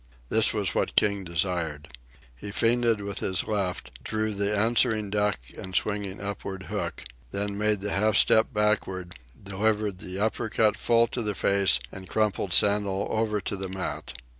This was what King desired. He feinted with his left, drew the answering duck and swinging upward hook, then made the half step backward, delivered the upper cut full to the face and crumpled Sandel over to the mat.